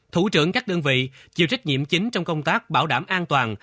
thủ trưởng các đơn vị chịu trách nhiệm chính trong công tác bảo đảm an toàn